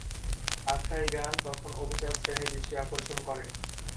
আখড়াই গান তখন অভিজাত শ্রেণির দৃষ্টি আকর্ষণ করে।